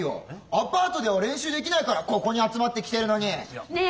アパートでは練習できないからここに集まってきてるのに！